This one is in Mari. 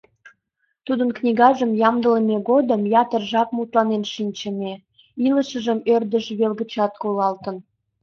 Тудын книгажым ямдылыме годым ятыр жап мутланен шинчыме, илышыжым ӧрдыж вел гычат колалтын.